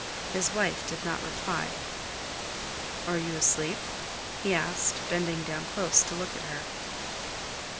His wife did not reply. "Are you asleep?" he asked, bending down close to look at her.